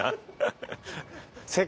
ハハハッ。